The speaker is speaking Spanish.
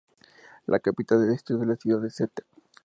La capital del distrito es la ciudad de St.